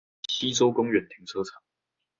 溪洲公園停車場